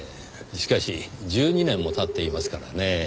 しかし１２年も経っていますからねぇ。